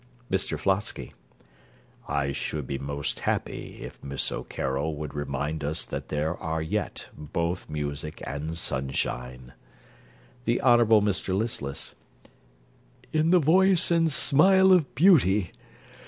MR FLOSKY I should be most happy if Miss O'Carroll would remind us that there are yet both music and sunshine THE HONOURABLE MR LISTLESS In the voice and the smile of beauty.